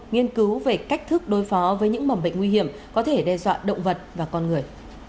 nghiên cứu về cách thức đối phó với những mầm bệnh nguy hiểm có thể đe dọa động vật và con người